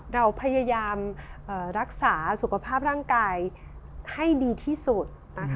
เราพยายามรักษาสุขภาพร่างกายให้ดีที่สุด